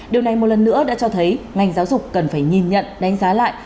điều này một lần nữa đã cho thấy ngành giáo dục cần phải nhìn nhận đánh giá lại